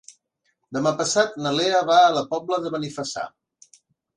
Demà passat na Lea va a la Pobla de Benifassà.